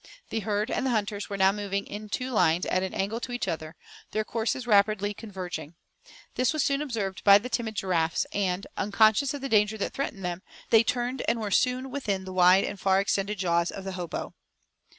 The herd and the hunters were now moving in two lines at an angle to each other, their courses rapidly converging. This was soon observed by the timid giraffes; and, unconscious of the danger that threatened them, they turned and were soon within the wide and far extended jaws of the hopo.